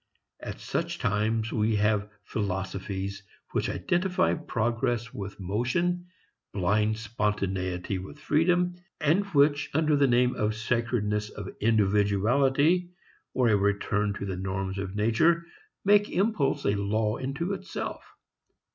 At such times we have philosophies which identify progress with motion, blind spontaneity with freedom, and which under the name of the sacredness of individuality or a return to the norms of nature make impulse a law unto itself.